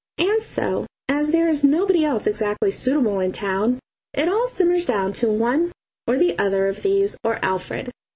And so, as there is nobody else exactly suitable in town, it all simmers down to one or the other of these or Alfred.